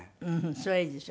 それはいいですよ。